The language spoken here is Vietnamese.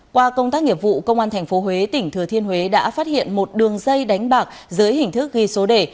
qua công tác nghiệp vụ công an tp huế tỉnh thừa thiên huế đã phát hiện một đường dây đánh bạc dưới hình thức ghi số đề